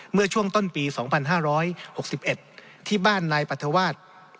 เมื่อช่วงต้นปี๒๕๖๑ที่บ้านนายปรัฐวาส